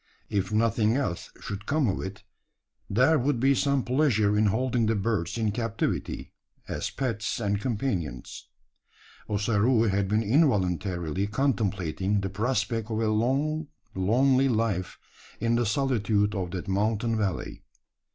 If nothing else should come of it, there would be some pleasure in holding the birds in captivity as pets and companions. Ossaroo had been involuntarily contemplating the prospect of a long lonely life in the solitude of that mountain valley.